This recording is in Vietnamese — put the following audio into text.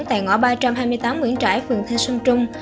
tại ngõ ba trăm hai mươi tám nguyễn trãi phường thanh xuân trung